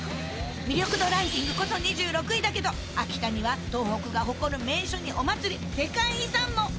魅力度ランキングこそ２６位だけど、秋田には東北が誇る名所にお祭り、世界遺産も。